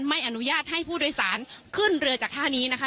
ไม่อนุญาตให้ผู้โดยสารขึ้นเรือจากท่านี้นะคะ